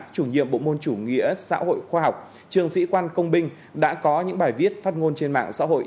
chủ nhiệm bộ môn chủ nghĩa xã hội khoa học trường sĩ quan công binh đã có những bài viết phát ngôn trên mạng xã hội